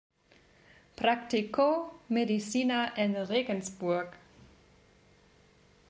Practicó medicina en Regensburg.